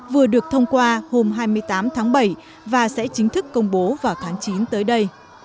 vừa được thông qua hôm hai mươi tám tháng bảy và sẽ chính thức công bố vào tháng chín tới đây